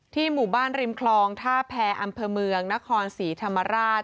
หมู่บ้านริมคลองท่าแพรอำเภอเมืองนครศรีธรรมราช